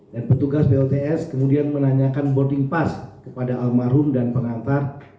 dan petugas pots kemudian menanyakan boarding pass kepada almarhum dan pengantar